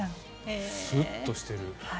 スッとしてる。